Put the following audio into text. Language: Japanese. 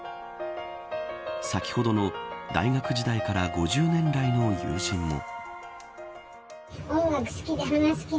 先ほどの、大学時代から５０年来の友人も。